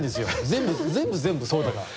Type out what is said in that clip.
全部全部全部そうだから。